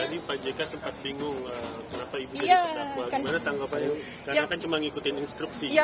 tadi pak jk sempat bingung kenapa ibu jadi terdakwa gimana tanggapannya karena kan cuma ngikutin instruksi